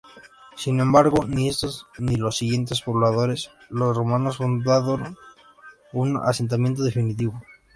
Sin embargo, ni estos, ni los siguientes pobladores, los romanos, fundaron un asentamiento definitivo.